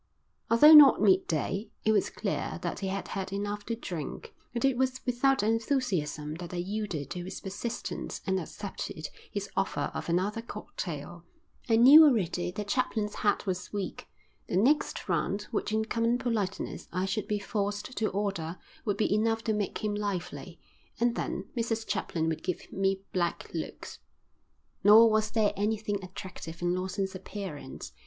Although not midday, it was clear that he had had enough to drink, and it was without enthusiasm that I yielded to his persistence and accepted his offer of another cocktail. I knew already that Chaplin's head was weak. The next round which in common politeness I should be forced to order would be enough to make him lively, and then Mrs Chaplin would give me black looks. Nor was there anything attractive in Lawson's appearance.